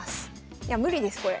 いや無理ですこれ。